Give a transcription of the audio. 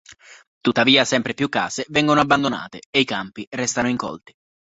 Tuttavia, sempre più case vengono abbandonate e i campi restano incolti.